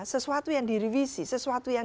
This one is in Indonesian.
sesuatu yang direvisi sesuatu yang